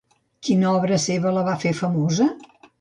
Quina obra seva la va fer famosa?